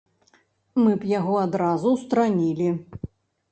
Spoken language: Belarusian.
Мы б яго адразу ўстаранілі.